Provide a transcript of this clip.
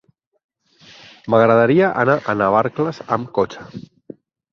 M'agradaria anar a Navarcles amb cotxe.